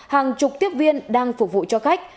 hàng chục tiếp viên đang phục vụ cho khách